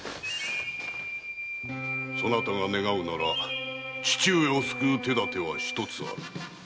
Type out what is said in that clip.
そなたが願うなら父上を救う手だては一つある。